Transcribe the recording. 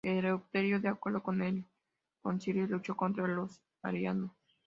Eleuterio, de acuerdo con el concilio, luchó contra los arrianos.